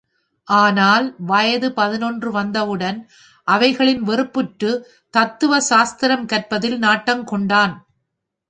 ஆனால், வயது பதினொன்று வந்தவுடன், அவைகளில் வெறுப்புற்றுத் தத்துவ சாஸ்திரம் கற்பதில் நாட்டங் கொண்டான்.